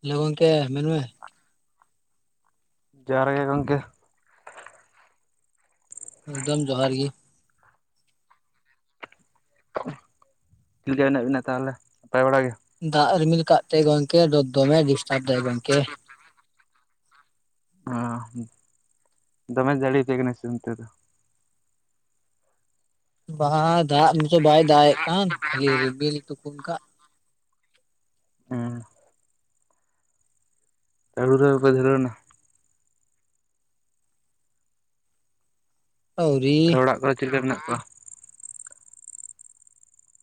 Hello ᱜᱚᱝᱠᱮ ᱢᱮᱱ ᱢᱮ ᱡᱚᱦᱟᱨ ᱜᱮ ᱜᱚᱝᱠᱮ ᱮᱠᱫᱚᱢ ᱡᱚᱦᱟᱨ ᱜᱮ ᱪᱤᱫ ᱞᱮᱠᱟ ᱢᱮᱱᱟᱜ ᱵᱮᱱᱟ ᱛᱟᱦᱞᱮ ᱱᱟᱯᱟᱭ ᱵᱟᱲᱟ ᱜᱮ ᱫᱟᱜ ᱨᱤᱢᱤᱞ ᱠᱟᱜᱛᱮᱭ ᱜᱚᱝᱠᱮ ᱟᱫᱚ ᱫᱚᱢᱮᱭ ᱰᱤᱥᱴᱟᱵ ᱫᱟᱭ ᱜᱚᱝᱠᱮ ᱚ ᱫᱚᱢᱮᱭ ᱡᱟᱹᱲᱤᱭᱟᱯᱮ ᱠᱟᱱᱟ ᱥᱮ ᱪᱮᱫ‌ ᱚᱱᱛᱮ ᱫᱚ ᱵᱟᱦᱟ‌ ᱫᱟᱜ ᱱᱫᱛᱮ ᱵᱟᱭ ᱫᱟᱜ-ᱮᱫ ᱠᱟᱱ ᱠᱷᱟᱞᱤᱭ ᱨᱵᱤᱞ ᱛᱩᱠᱩᱱ ᱠᱟᱫ ᱦᱩᱸ ᱦᱩᱲᱩ ᱨᱚᱦᱚᱭ ᱯᱮ ᱫᱷᱩᱨᱟᱹᱣᱮᱱᱟ ᱟᱹᱣᱨᱤ ᱛᱚ, ᱚᱲᱟᱜ ᱠᱚᱨᱮ ᱪᱮᱫ ᱞᱮᱠᱟ ᱢᱮᱱᱟᱜ ᱠᱚᱣᱟ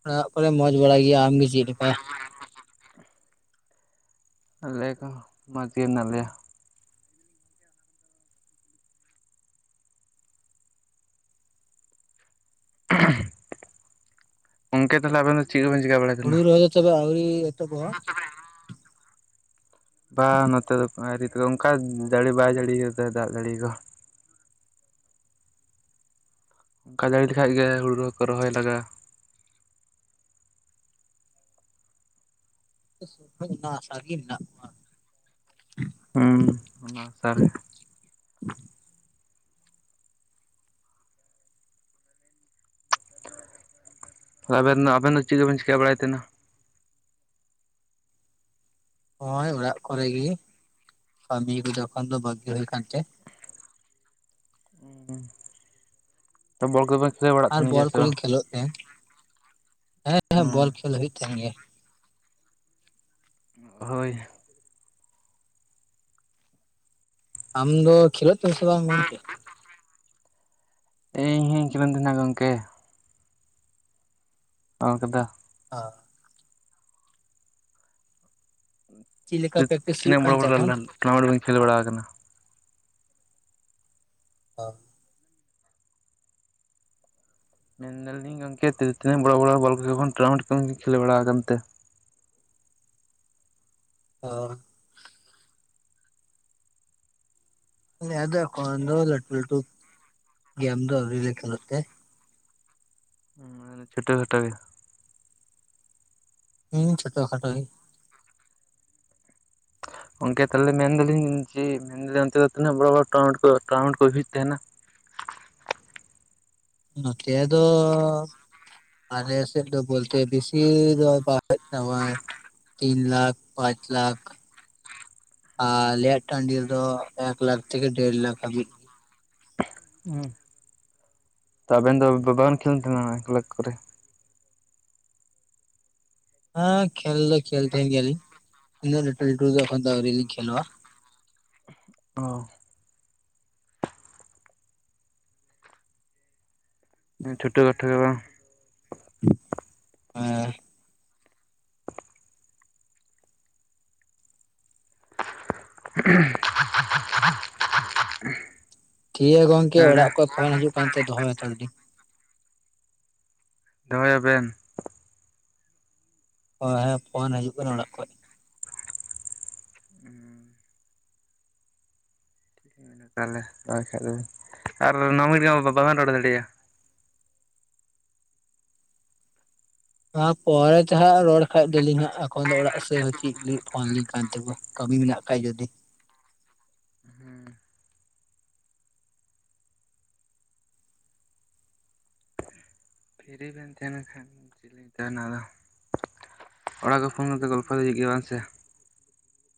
ᱚᱲᱟᱜ ᱠᱚᱨᱮ ᱢᱚᱸᱡᱽ ᱵᱟᱲᱟ ᱜᱮᱭᱟ ᱟᱢᱜᱮ ᱪᱮᱫᱮ ᱞᱮᱠᱟ ᱟᱞᱮ ᱠᱚᱦᱚᱸ ᱢᱚᱡᱽᱜᱮ ᱢᱮᱱᱟᱜ ᱞᱮᱭᱟ ᱜᱚᱝᱠᱮ ᱛᱟᱦᱞᱮ ᱟᱱᱮᱱ ᱫᱚ ᱪᱮᱫ ᱠᱚ ᱵᱮᱱ ᱪᱮᱠᱟ ᱵᱟᱲᱟᱭᱮᱫᱟ ᱦᱩᱲᱩ ᱨᱚᱦᱚ ᱫᱚ ᱪᱟᱵᱟ ᱟᱹᱣᱨᱤ ᱮᱛᱚᱦᱚᱵᱚᱜ-ᱟ ᱵᱟ ᱱᱚᱛᱮ ᱫᱚ ᱟᱹᱨᱤ ᱛᱮᱫᱚ ᱚᱱᱠᱟ ᱡᱟᱹᱲᱤ ᱵᱟᱭ ᱡᱟᱹᱲᱤᱭᱟᱠᱟᱫᱟ ᱛᱚ ᱫᱟᱜ ᱡᱟᱹᱲᱤ ᱠᱚ ᱚᱝᱠᱟ [unintelligible] ᱞᱮᱠᱷᱟᱡ ᱜᱮ ᱦᱩᱲᱩ ᱦᱚᱸᱠᱚ ᱨᱚᱦᱚᱭ ᱞᱟᱜᱼᱟ [unintelligible] ᱚᱱᱟ ᱟᱥᱟ ᱨᱮᱜᱮ ᱢᱮᱱᱟᱜ ᱠᱚᱣᱟ ᱦᱩᱸ ᱚᱱᱟ ᱟᱥᱟ ᱨᱮᱜᱮ ᱟᱵᱮᱱ ᱫᱚ ᱟᱵᱮᱱ ᱫᱚ ᱪᱮᱫ ᱠᱚᱵᱮᱱ ᱪᱤᱠᱟ ᱵᱟᱲᱟᱭ ᱛᱟᱦᱮᱱᱟ ᱱᱚᱜ-ᱚᱭ ᱚᱲᱟᱜ ᱠᱚᱨᱮᱜᱤ ᱠᱟᱹᱢᱤ ᱠᱚ ᱮᱠᱷᱚᱱ ᱫᱚ ᱵᱟᱹᱜᱤ ᱦᱩᱭ ᱟᱠᱟᱱ ᱪᱚ ᱛᱚ ᱵᱚᱞ ᱠᱚᱵᱮᱱ ᱠᱷᱮᱹᱞ ᱵᱟᱲᱟᱜ ᱛᱟᱦᱮᱱ ᱜᱮᱭᱟ ᱥᱮ ᱵᱟᱝ ᱠᱷᱮᱹᱞᱳᱷ ᱠᱟᱱᱟ ᱦᱮᱸ ᱦᱮᱸ ᱵᱚᱞ ᱠᱷᱮᱹᱞ ᱦᱩᱭᱩᱜ ᱠᱟᱱ ᱜᱮᱭᱟ ᱦᱳᱭ ᱟᱢ ᱫᱚ ᱠᱷᱮᱞᱳᱜ [unintelligible] ᱵᱟᱝ ᱜᱚᱝᱠᱮ ᱤᱧᱦᱚᱧ [unintelligible] ᱜᱚᱝᱠᱮ ᱚᱱᱟ ᱠᱚᱫᱚ ᱚ ᱪᱮᱫ ᱞᱮᱠᱟ [unintelligible] ᱯᱨᱮᱠᱴᱤᱥ ᱦᱩᱭᱩᱜ ᱛᱤᱱᱟᱹᱜ ᱵᱚᱲᱚ ᱠᱟᱱᱛᱮ ᱵᱚᱲᱚ ᱮᱠᱷᱚᱱ [unintelligible] ᱴᱩᱨᱱᱟᱢᱮᱱᱴ ᱵᱮᱱ ᱠᱷᱮᱹᱞ ᱵᱟᱲᱟ ᱟᱠᱟᱱᱟ ᱵᱟᱝ ᱢᱮᱱ ᱫᱟᱞᱤᱧ ᱜᱚᱝᱠᱮ ᱛᱤᱱᱟᱹᱜ ᱵᱚᱲᱚ ᱵᱚᱲᱚ ᱵᱚᱞ ᱠᱷᱮᱹᱞ ᱠᱷᱚᱱ ᱴᱩᱨᱱᱟᱢᱮᱱᱴ ᱠᱚᱵᱤᱱ ᱠᱷᱮᱹᱞ ᱵᱟᱲᱟᱣᱟᱠᱟᱱᱛᱮ ᱚ ᱡᱮ ᱟᱫᱚ ᱮᱠᱷᱚᱱ ᱫᱚ ᱞᱟᱴᱩᱼ ᱞᱟᱴᱩ ᱜᱮᱢ ᱫᱚ ᱟᱣᱨᱤᱞᱮ ᱠᱷᱮᱹᱞᱳᱜ ᱛᱮ ᱢᱟᱱᱮ ᱪᱷᱳᱴᱳ ᱪᱷᱳᱴᱳ ᱜᱮ ᱦᱩᱸ ᱪᱷᱳᱴ ᱠᱷᱟᱴᱳ ᱜᱚᱝᱠᱮ ᱛᱟᱞᱦᱮ ᱢᱮᱱᱫᱟᱞᱤᱧ ᱡᱮ ᱢᱮᱱ ᱫᱟᱞᱤᱧ ᱚᱱᱛᱮ ᱫᱚ ᱛᱤᱱᱟᱹᱜ ᱵᱚᱲᱚ ᱵᱚᱲᱚ ᱴᱟᱣᱩᱱᱴ ᱠᱚ ᱴᱟᱣᱩᱱᱴ ᱠᱚ ᱡᱷᱤᱡ ᱛᱟᱦᱮᱱᱟ ᱱᱚᱛᱮ ᱫᱚ ᱟᱞᱮ ᱥᱮᱫ ᱫᱚ ᱵᱚᱞᱛᱮ ᱵᱮᱥᱤ ᱫᱚ [inaudible] ᱛᱤᱱ ᱞᱟᱠᱷ ᱯᱟᱸᱪ ᱞᱟᱠᱷ ᱟᱞᱮᱭᱟᱜ ᱴᱟᱺᱰᱤ ᱨᱮᱫᱚ ᱮᱠ ᱞᱟᱠᱷ ᱛᱷᱮᱠᱮ ᱫᱮᱹᱲ ᱞᱟᱠᱷ ᱦᱟᱹᱵᱤᱡ ᱜᱮ᱾ ᱚᱸ [inaudible] ᱛᱚ ᱟᱵᱮᱱ ᱫᱚ ᱵᱟᱵᱮᱱ ᱠᱷᱮᱞ ᱛᱟᱦᱮᱱᱟ ᱚᱱᱟ ᱠᱞᱟᱠ ᱠᱚᱨᱮ ᱦᱮᱸ ᱠᱷᱮᱹᱞ ᱫᱚ ᱠᱷᱹᱮᱞ ᱛᱟᱦᱮᱱ ᱜᱮᱭᱟᱞᱤᱧ ᱤᱱᱟ ᱞᱟᱹᱴᱩ ᱞᱟᱹᱴᱩ ᱫᱚ ᱡᱚᱠᱷᱚᱱ ᱫᱚ ᱟᱹᱣᱨᱤ ᱞᱤᱧ ᱠᱷᱮᱹᱞᱳᱜᱼᱟ ᱚ ᱪᱷᱩᱴᱟᱹ ᱠᱷᱟᱴᱚ ᱫᱚ ᱵᱟᱝ ᱦᱮᱸ [unintelligible] [unintelligible] ᱴᱷᱤᱠ ᱜᱮᱭᱟ ᱜᱚᱝᱠᱮ ᱛᱟᱦᱚᱞᱮ ᱚᱲᱟᱜ ᱠᱷᱚᱱ ᱯᱷᱳᱱ ᱦᱤᱡᱩᱜ ᱠᱟᱱᱛᱮ ᱫᱚᱦᱚᱭ ᱦᱟᱛᱟᱲ ᱫᱟᱹᱧ ᱫᱚᱦᱚᱭᱟᱵᱮᱱ ᱦᱳᱭ ᱦᱮᱸ ᱯᱷᱳᱱ ᱦᱤᱡᱩᱜ ᱠᱟᱱᱟ ᱚᱲᱟᱜ ᱠᱷᱚᱡ ᱛᱟᱦᱟᱞᱮ [unintelligible] ᱟᱨ ᱱᱚ ᱢᱤᱱᱤᱴ ᱜᱟᱱ ᱫᱚ ᱵᱟᱵᱮᱱ ᱨᱚᱲ ᱫᱟᱲᱮᱭᱟᱜᱼᱟ᱾ ᱟᱨ ᱯᱚᱨᱮ ᱛᱮ ᱦᱟᱸᱜ ᱨᱚᱲ ᱠᱷᱟᱡ ᱫᱚᱞᱤᱧ ᱦᱟᱸᱜ ᱮᱠᱷᱚᱱ ᱫᱚ ᱚᱲᱟᱜ ᱥᱮᱫ ᱪᱮ ᱯᱷᱳᱱ [inaudible] ᱠᱟᱹᱢᱤ ᱢᱮᱱᱟᱜ ᱠᱷᱟᱡ ᱡᱩᱫᱤ ᱛᱮᱦᱮ ᱞᱮᱱᱠᱷᱟᱱ [unintelligible] ᱟᱫᱚ ᱚᱲᱟᱜ ᱠᱚ ᱯᱷᱳᱱ ᱠᱟᱛᱮ ᱜᱚᱞᱯᱷᱚᱭ ᱦᱩᱭᱩᱜ ᱜᱮᱭᱟ ᱵᱟᱝ ᱥᱮ